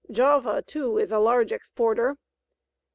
Java, too, is a large exporter.